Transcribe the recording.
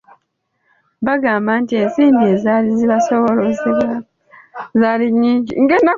Bagamba nti ensimbi ezaali zibasoloozebwako zaali nnyingi.